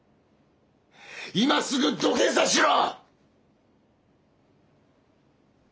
今すぐ土下座しろ！